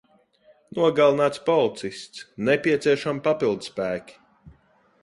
Nogalināts policists. Nepieciešami papildspēki.